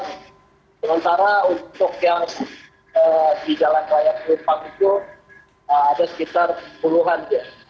sementara untuk yang di jalan raya ke pakuco ada sekitar puluhan